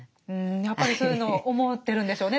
やっぱりそういうのを思ってるんでしょうね